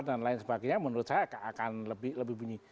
dan lain sebagainya menurut saya akan lebih bunyi